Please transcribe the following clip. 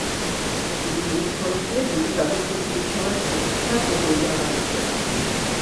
তিনি নিজ খরচে দুইটি দাতব্য চিকিৎসালয় প্রতিষ্ঠা ও পরিচালনা করতেন।